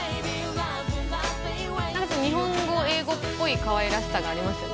なんか日本語、英語っぽいかわいらしさがありますよね。